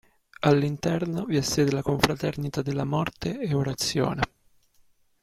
All'interno vi ha sede la confraternita della Morte e Orazione.